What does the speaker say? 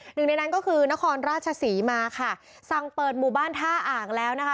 หนึ่งในนั้นก็คือนครราชศรีมาค่ะสั่งเปิดหมู่บ้านท่าอ่างแล้วนะคะ